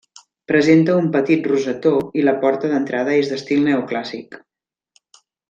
Presenta un petit rosetó i la porta d'entrada és d'estil neoclàssic.